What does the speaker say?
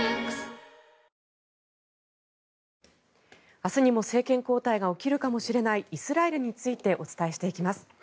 明日にも政権交代が起きるかもしれないイスラエルについてお伝えしていきます。